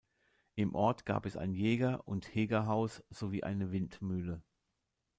Im Ort gab es ein Jäger- und Hegerhaus sowie eine Windmühle.